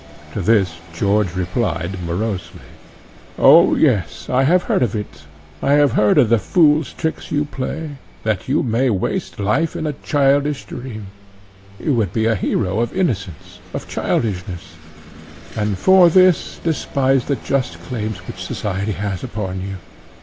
To this George replied morosely, "Oh yes, I have heard of it, I have heard of the fools' tricks you play, that you may waste life in a childish dream. You would be a hero of innocence, of childishness; and for this despise the just claims which society has upon you.